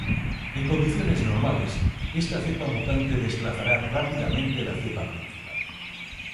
En condiciones normales, esta cepa mutante desplazará rápidamente la cepa principal.